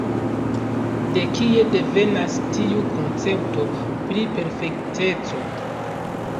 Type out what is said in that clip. De kie devenas tiu koncepto pri perfekteco?